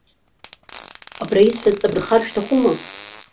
Абри исҳәаз, ҵабыргхар шәҭахума?